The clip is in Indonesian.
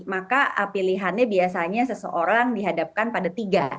maka pilihannya biasanya seseorang dihadapkan pada tiga